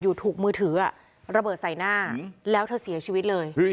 ถูกมือถือระเบิดใส่หน้าแล้วเธอเสียชีวิตเลย